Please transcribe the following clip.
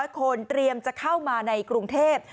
คนเตรียมจะเข้ามาในกรุงเทพ